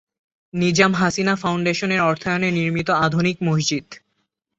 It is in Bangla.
নিজাম হাসিনা ফাউন্ডেশন এর অর্থায়নে নির্মিত আধুনিক মসজিদ।